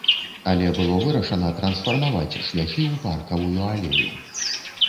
Але было вырашана трансфармаваць шляхі ў паркавую алею.